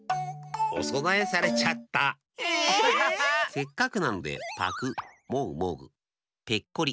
せっかくなのでぱくもぐもぐペッコリ